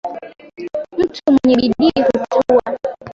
Mtu mwenye bidii hutuwa